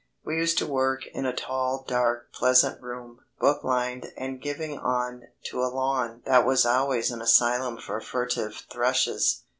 We used to work in a tall, dark, pleasant room, book lined, and giving on to a lawn that was always an asylum for furtive thrushes.